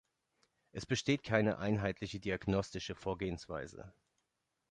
Es besteht keine einheitliche diagnostische Vorgehensweise.